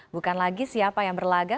bukan lagi siapa yang berlaga